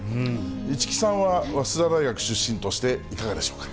市來さんは早稲田大学出身として、いかがでしょうか。